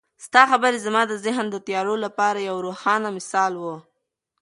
ستا خبرې زما د ذهن د تیارو لپاره یو روښانه مشال و.